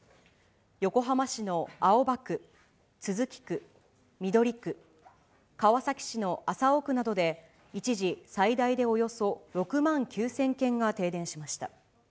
横浜市の青葉区、都筑区、緑区、川崎市麻生区などで一時、最大でおよそ６万９０００軒が停電しました。